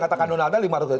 katakan donald trump